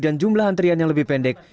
dan jumlah antrian yang lebih pendek